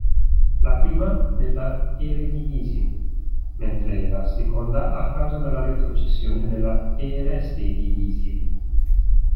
La prima nella Eredivisie, mentre la seconda a causa della retrocessione nella Eerste Divisie.